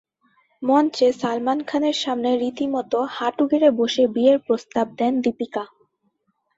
মঞ্চে সালমান খানের সামনে রীতিমতো হাঁটু গেড়ে বসে বিয়ের প্রস্তাব দেন দীপিকা।